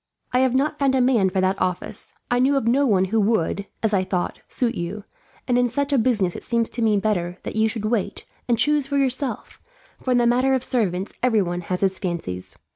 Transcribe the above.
"I have not found a man for that office. I knew of no one who would, as I thought, suit you; and in such a business it seemed to me better that you should wait, and choose for yourself, for in the matter of servants everyone has his fancies.